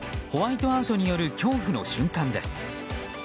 ホワイトアウトによる恐怖の瞬間です。